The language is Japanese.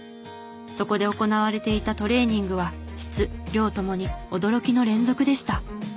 そこで行われていたトレーニングは質量ともに驚きの連続でした。